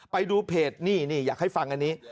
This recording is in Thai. ไปดูเพจนี่นี่อยากให้ฟังอันนี้